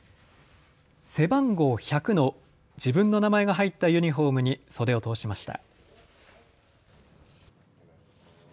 背番号１００の自分の名前が入ったユニフォームに袖を通しました。